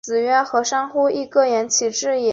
孤零零女孩为交朋友而努力的交友大作战。